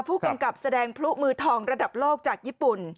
ผู้กำกับแสดงพลุมือทองระดับโลกจากญี่ปุ่น